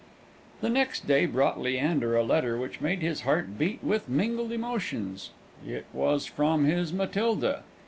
_ The next day brought Leander a letter which made his heart beat with mingled emotions it was from his Matilda.